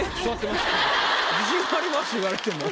言われても。